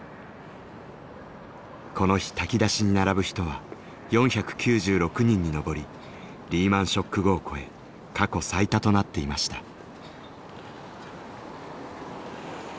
この日炊き出しに並ぶ人は４９６人に上りリーマンショック後を超え過去最多となっていました。